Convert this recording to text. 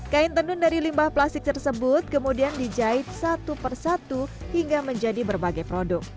kain tenun dari limbah plastik tersebut kemudian dijahit satu persatu hingga menjadi berbagai produk